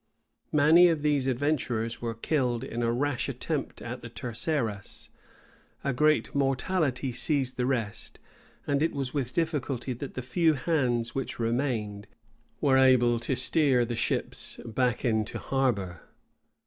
Many of these adventurers were killed in a rash attempt at the Terceras: a great mortality seized the rest; and it was with difficulty that the few hands which remained were able to steer the ships back into harbor.